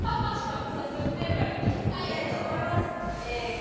早速テーマにいきたいと思います。